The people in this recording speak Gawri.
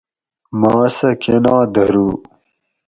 ما سہ کۤناں دۤھرو